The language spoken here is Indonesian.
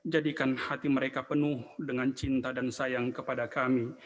jadikan hati mereka penuh dengan cinta dan sayang kepada kami